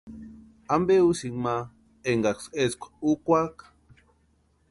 ¿Ampe úsïni ma enkaksï eskwa úkwaaka?